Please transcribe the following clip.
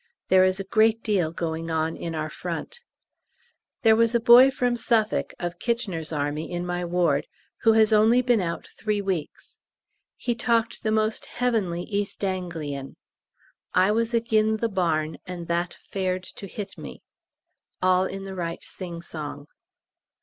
There is a great deal going on in our front. There was a boy from Suffolk, of K.'s Army, in my ward who has only been out three weeks. He talked the most heavenly East Anglian "I was agin the barn, and that fared to hit me" all in the right sing song.